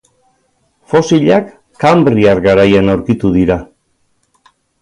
Fosilak Kanbriar garaian aurkitu dira.